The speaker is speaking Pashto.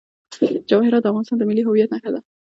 جواهرات د افغانستان د ملي هویت نښه ده.